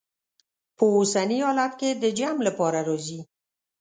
په اوسني حالت کې د جمع لپاره راځي.